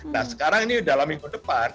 nah sekarang ini dalam minggu depan